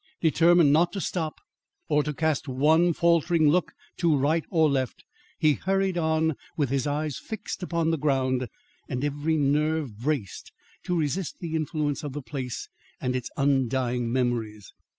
Determined not to stop or to cast one faltering look to right or left, he hurried on with his eyes fixed upon the ground and every nerve braced to resist the influence of the place and its undying memories.